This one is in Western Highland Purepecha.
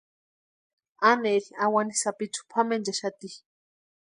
Aneri awani sapichu pʼamenchaxati.